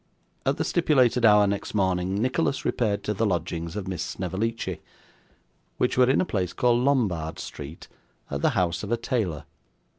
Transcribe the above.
At the stipulated hour next morning, Nicholas repaired to the lodgings of Miss Snevellicci, which were in a place called Lombard Street, at the house of a tailor.